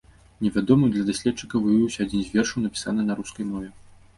Невядомым для даследчыкаў выявіўся адзін з вершаў, напісаны на рускай мове.